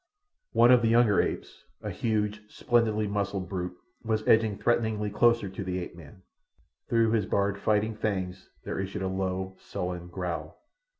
One of the younger apes, a huge, splendidly muscled brute, was edging threateningly closer to the ape man. Through his bared fighting fangs there issued a low, sullen growl.